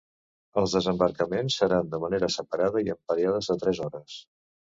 Els desembarcaments seran de manera separada i en períodes de tres hores.